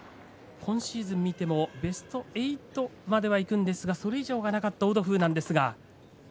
今シーズン見てもベスト８まではいくんですけれどそれ以上はなかったオドフーです。